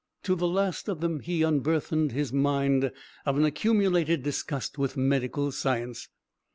To the last of them he unburthened his mind of an accumulated disgust with medical science.